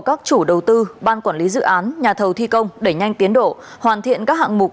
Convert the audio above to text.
các chủ đầu tư ban quản lý dự án nhà thầu thi công đẩy nhanh tiến độ hoàn thiện các hạng mục